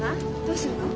どうするの？